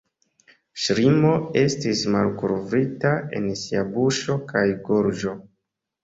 Ŝlimo estis malkovrita en sia buŝo kaj gorĝo.